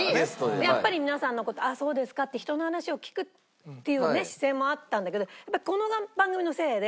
やっぱり皆さんの事「あっそうですか」って人の話を聞くっていうね姿勢もあったんだけどこの番組のせいで。